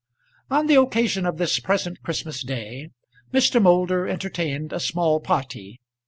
On the occasion of this present Christmas day Mr. Moulder entertained a small party.